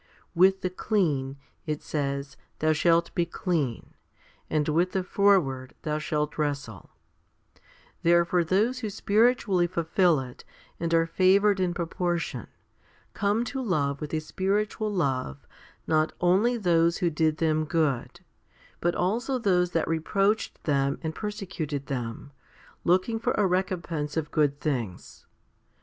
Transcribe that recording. With the clean, it says, thou shall be clean, and with the froward thou shall wrestle* Therefore those who spiritually fulfil it, and are favoured in proportion, came to love with a spiritual love not only those who did them good, but also those that reproached them and persecuted them, Iooking7or a recom pense of good things.